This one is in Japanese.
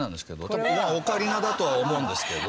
多分オカリナだとは思うんですけど。